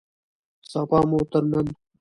سبا مو تر نن